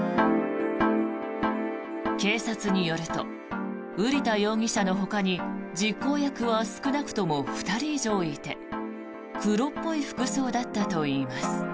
警察によると瓜田容疑者のほかに実行役は少なくとも２人以上いて黒っぽい服装だったといいます。